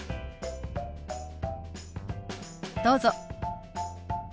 どうぞ。